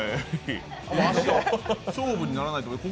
勝負にならないと思います